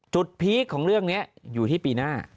พีคของเรื่องนี้อยู่ที่ปีหน้า